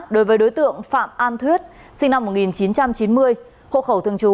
đối với đối tượng phạm an thuyết sinh năm một nghìn chín trăm chín mươi hộ khẩu thường trú